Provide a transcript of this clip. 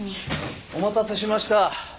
お待たせしました。